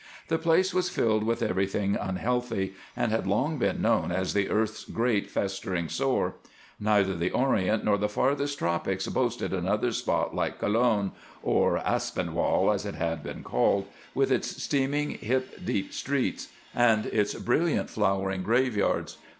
The place was filled with everything unhealthy, and had long been known as the earth's great festering sore. Neither the Orient nor the farthest tropics boasted another spot like Colon, or Aspinwall, as it had been called, with its steaming, hip deep streets and its brilliant flowering graveyards.